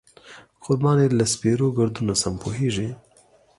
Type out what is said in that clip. قربان یې له سپېرو ګردونو شم، پوهېږې.